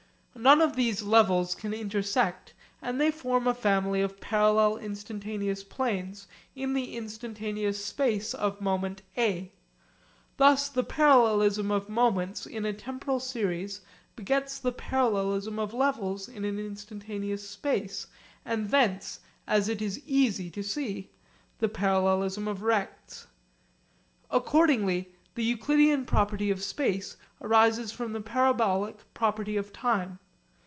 None of these levels can intersect, and they form a family of parallel instantaneous planes in the instantaneous space of moment A. Thus the parallelism of moments in a temporal series begets the parallelism of levels in an instantaneous space, and thence as it is easy to see the parallelism of rects. Accordingly the Euclidean property of space arises from the parabolic property of time.